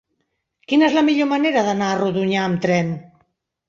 Quina és la millor manera d'anar a Rodonyà amb tren?